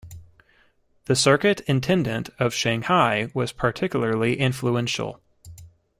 The circuit intendant of Shanghai was particularly influential.